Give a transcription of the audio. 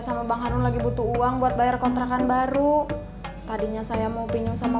sama bang harun lagi butuh uang buat bayar kontrakan baru tadinya saya mau bingung sama